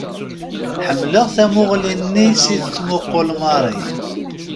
Ḥemmleɣ tamuɣli-nni s i tettmuqqul Mary.